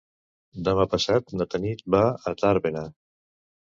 Demà passat na Tanit va a Tàrbena.